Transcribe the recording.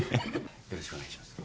よろしくお願いします。